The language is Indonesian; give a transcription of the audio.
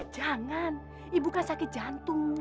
jangan ibu kan sakit jantung